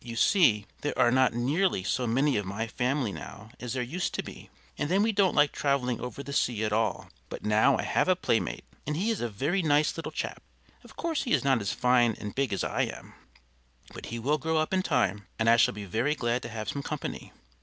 You see, there are not nearly so many of my family now as there used to be, and then we don't like traveling over the sea at all. But now I have a playmate and he is a very nice little chap; of course he is not as fine and big as I am, but he will grow up in time and I shall be very glad to have some company.